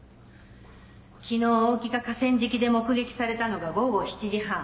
昨日大木が河川敷で目撃されたのが午後７時半。